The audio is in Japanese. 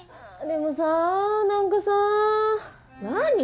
でもさぁ何かさぁ。